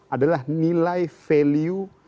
adalah nilai value dari apa yang sudah dimiliki orang